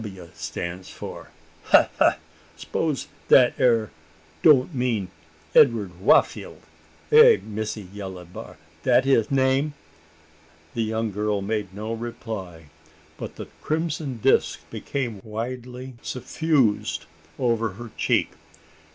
W. stand for? yah, yah! S'pose dat ere don't mean Edwa'd Wa'ffeld? eh missy yella bar dat him name?" The young girl made no reply; but the crimson disc became widely suffused over her cheek.